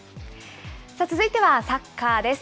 続いてはサッカーです。